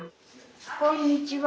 こんにちは。